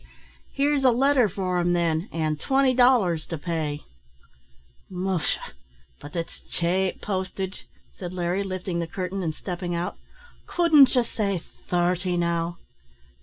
"Here's a letter for him, then, and twenty dollars to pay." "Musha! but it's chape postage," said Larry, lifting the curtain, and stepping out; "couldn't ye say thirty, now?"